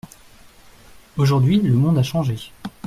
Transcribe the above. Aujourd’hui, le monde a changé.